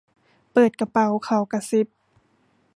เปิดกระเป๋า ! เขากระซิบ